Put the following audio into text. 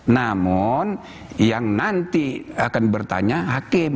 namun yang nanti akan bertanya hakim